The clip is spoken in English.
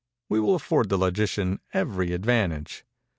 We will afford the logician every advantage.